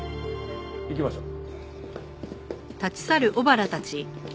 行きましょう。